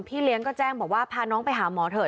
เลี้ยงก็แจ้งบอกว่าพาน้องไปหาหมอเถอ